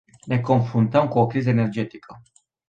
Ne confruntăm cu o criză energetică.